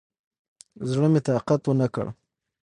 زړه مې طاقت ونکړ.